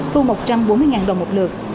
thu một trăm bốn mươi đồng một lượt